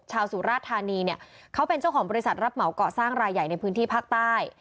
สุราชธานีเนี่ยเขาเป็นเจ้าของบริษัทรับเหมาก่อสร้างรายใหญ่ในพื้นที่ภาคใต้